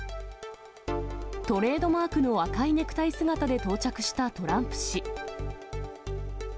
トレードマークの赤いネクタイ姿で到着したトランプ氏。